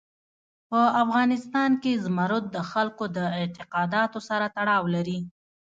په افغانستان کې زمرد د خلکو د اعتقاداتو سره تړاو لري.